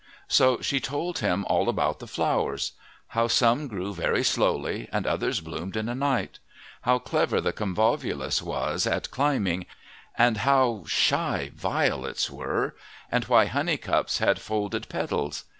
So she told him all about the flowers, how some grew very slowly and others bloomed in a night; how clever the convolvulus was at climbing, and how shy violets were, and why honeycups had folded petals.